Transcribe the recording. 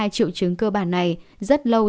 hai triệu chứng cơ bản này rất lâu